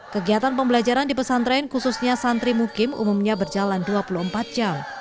kegiatan pembelajaran di pesantren khususnya santri mukim umumnya berjalan dua puluh empat jam